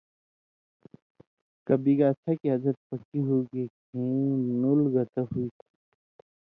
کہ بِگ اڅھکیۡ عادت پکی ہُوگے کھیں نُل گتہ ہُوئ تُھو